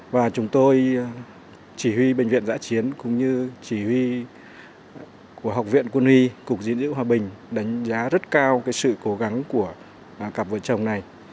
và chúng tôi chỉ huy bệnh viện giã chiến cũng như chỉ huy của học viện quân y cục diện giữ hòa bình đánh giá rất cao sự cố gắng của cặp vợ chồng này